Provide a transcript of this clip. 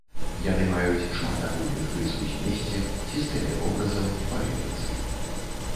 Яны маюць шмат агульных рыс у змесце, сістэме вобразаў, паэтыцы.